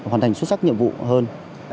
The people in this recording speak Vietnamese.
hoàn thành xuất sắc nhiệm vụ hơn